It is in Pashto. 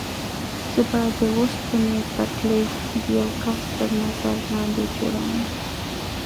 زه به د اوسپنې پټلۍ د یوه کس تر نظر لاندې جوړوم.